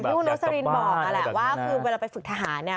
คุณโรสลินบอกนั่นแหละว่าคือเวลาไปฝึกทหารเนี่ย